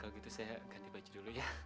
kalau gitu saya ganti baju dulu ya